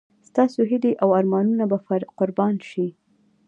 ستاسو هیلې او ارمانونه به قرباني شي.